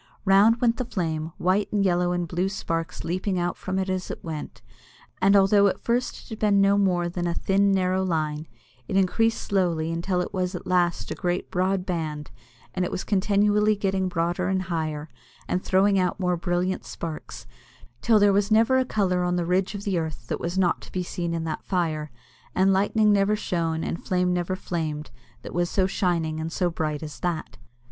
Round went the flame, white and yellow and blue sparks leaping out from it as it went, and although at first it had been no more than a thin, narrow line, it increased slowly until it was at last a great broad band, and it was continually getting broader and higher, and throwing out more brilliant sparks, till there was never a colour on the ridge of the earth that was not to be seen in that fire; and lightning never shone and flame never flamed that was so shining and so bright as that.